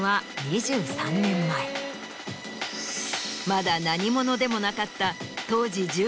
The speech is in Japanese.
まだ何者でもなかった。